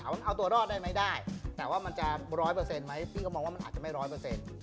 มันเอาตัวรอดได้ไหมได้แต่ว่ามันจะร้อยเปอร์เซ็นต์ไหมพี่ก็มองว่ามันอาจจะไม่ร้อยเปอร์เซ็นต์